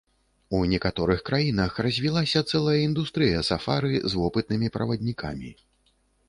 У некаторых краінах развілася цэлая індустрыя сафары з вопытнымі праваднікамі.